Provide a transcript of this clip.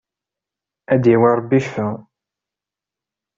Ad d-yawi Rebbi ccfa!